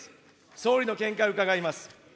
総理の見解を伺います。